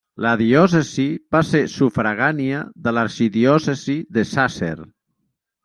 La diòcesi va ser sufragània de l'arxidiòcesi de Sàsser.